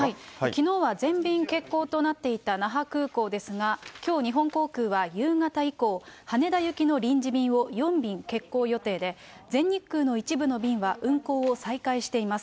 きのうは全便欠航となっていた那覇空港ですが、きょう日本航空は夕方以降、羽田行きの臨時便を４便欠航予定で、全日空の一部の便は運航を再開しています。